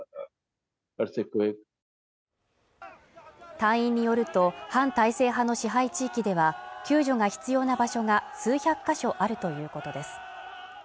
隊員によると反体制派の支配地域では救助が必要な場所が数百か所あるということです